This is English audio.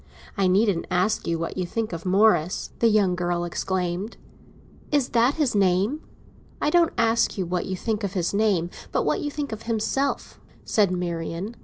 "I needn't ask you what you think of Morris!" the young girl exclaimed. "Is that his name?" "I don't ask you what you think of his name, but what you think of himself," said Marian.